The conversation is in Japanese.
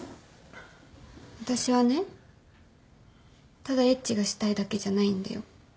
私はねただエッチがしたいだけじゃないんだよ。